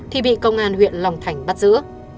thì bị công an huyện long thành bắt giữ